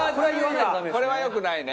これはよくないね。